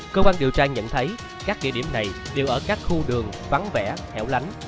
cơ quan điều tra nhận thấy các địa điểm này đều ở các khu đường vắng vẻ hẻo lánh